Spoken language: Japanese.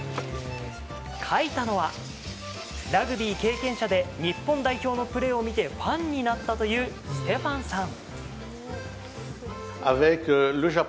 描いたのはラグビー経験者で日本代表のプレーを見てファンになったというステファンさん。